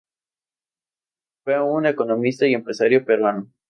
Fue un economista y empresario peruano.